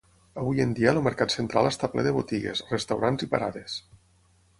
Avui en dia el mercat central està ple de botigues, restaurants i parades.